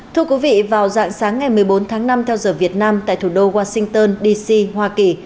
thưa quý vị vào dạng sáng ngày một mươi bốn tháng năm theo giờ việt nam tại thủ đô washington dc hoa kỳ